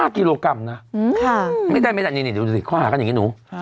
๕กิโลกรัมนะไม่ได้นี่ดูสิค่าค่ะอย่างงี้หนู